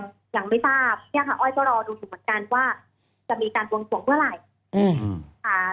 คือยังไม่ทราบอ้อยก็รอดูถึงเหมือนกันว่าจะมีการกวงส่วนเมื่อไหร่